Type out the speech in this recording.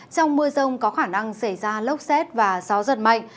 trong mưa rông có khả năng xảy ra lốc xét và gió giật mạnh